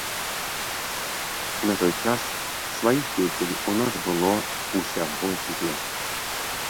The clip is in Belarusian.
На той час сваіх песень у нас было ўсяго дзве.